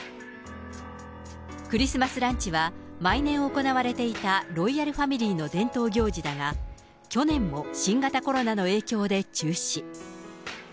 クリスマス・ランチは毎年行われていたロイヤルファミリーの伝統行事だが、去年も新型コロナの影響で中止。